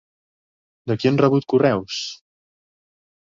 De qui han rebut correus?